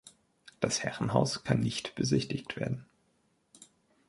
Das Herrenhaus kann nicht besichtigt werden.